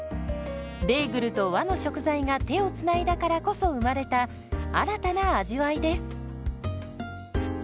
ベーグルと和の食材が手をつないだからこそ生まれた新たな味わいです。